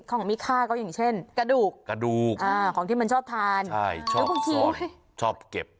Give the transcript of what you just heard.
ของมีค่าก็อย่างเช่นกระดูกกระดูกของที่มันชอบทานใช่ชอบหรือบางทีชอบเก็บ